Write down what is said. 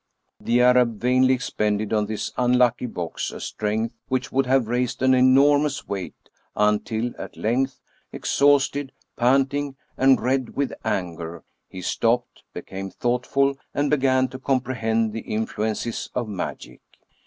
227 Triie Stories of Modern Magic The Arab vainly expended on this unlucky box a strength which would have raised an enormous weight, until, at length, exhausted, panting, and red with anger, he stopped, became thoughtful, and began to comprehend the influences of magic.